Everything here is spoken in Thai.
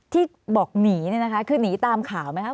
ที่บอกหนีเนี่ยนะคะคือหนีตามข่าวไหมคะ